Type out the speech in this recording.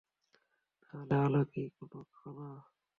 তাহলে আলো কি কোনো কণা?